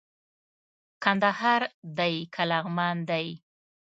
کندهار دئ که لغمان دئ